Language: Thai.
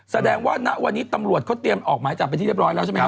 แสดงว่าณวันนี้ตำรวจเขาเตรียมออกหมายจับไปที่เรียบร้อยแล้วใช่ไหมครับ